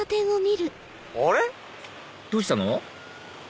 どうしたの？